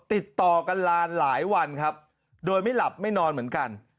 ติดต่อกันลานหลายวันครับโดยไม่หลับไม่นอนเหมือนกัน